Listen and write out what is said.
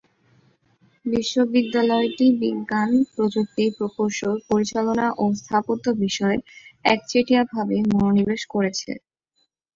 বিশ্ববিদ্যালয়টি বিজ্ঞান, প্রযুক্তি, প্রকৌশল, পরিচালনা ও স্থাপত্য বিষয়ে একচেটিয়া ভাবে মনোনিবেশ করেছে।